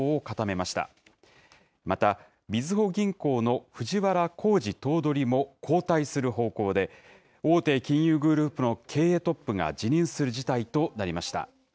また、みずほ銀行の藤原弘治頭取も交代する方向で、大手金融グループの経営トップが辞任する事態となりました。